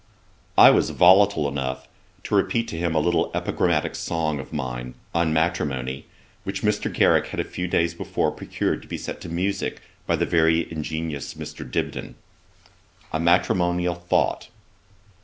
I was volatile enough to repeat to him a little epigrammatick song of mine, on matrimony, which Mr. Garrick had a few days before procured to be set to musick by the very ingenious Mr. Dibden. 'A MATRIMONIAL THOUGHT.